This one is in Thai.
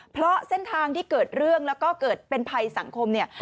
เพราะเส้นทางที่เกิดเรื่องแล้วก็เกิดเป็นภัยสังคมเนี่ย